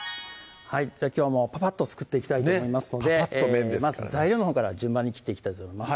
じゃあきょうはもうパパッと作っていきたいと思いますのでまず材料のほうから順番に切っていきたいと思います